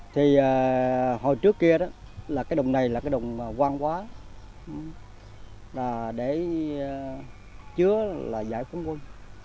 thì hồi trước kia đó là cái đồng này là cái đồng quan quá để chứa là giải phóng quân